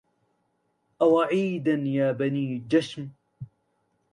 أوعيدا يا بني جشم